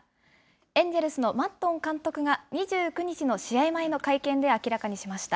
エンジェルスのマットン監督が、２９日の試合前の会見で明らかにしました。